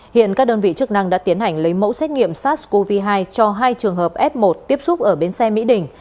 hiện các đơn vị chức năng đã tiến hành lấy mẫu xét nghiệm sars cov hai cho hai trường hợp f một tiếp xúc ở bến xe mỹ đình